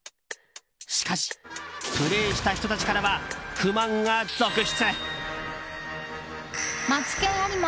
しかし、プレーした人たちからは不満が続出。